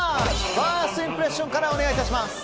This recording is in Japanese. ファーストインプレッションからお願いいたします。